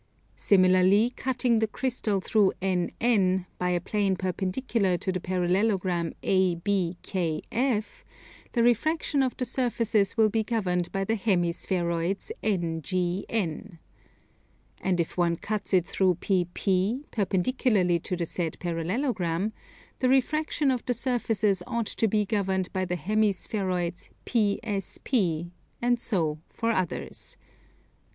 Similarly, cutting the Crystal through NN, by a plane perpendicular to the parallelogram ABKF, the refraction of the surfaces will be governed by the hemi spheroids NGN. And if one cuts it through PP, perpendicularly to the said parallelogram, the refraction of the surfaces ought to be governed by the hemi spheroids PSP, and so for others.